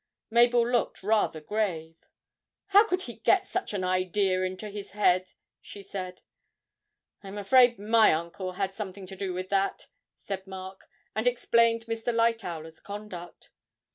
Mabel looked rather grave. 'How could he get such an idea into his head?' she said. 'I'm afraid my uncle had something to do with that,' said Mark, and explained Mr. Lightowler's conduct.